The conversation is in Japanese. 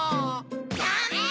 ダメ！